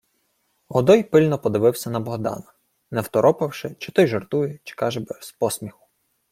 Годой пильно подивився на Богдана, не второпавши, чи той жартує, чи каже без посміху.